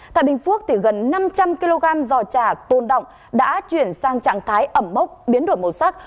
tại bình phước gần năm trăm linh kg giò trà tôn động đã chuyển sang trạng thái ẩm mốc biến đổi màu sắc